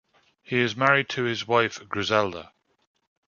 He is married to his wife Griselda.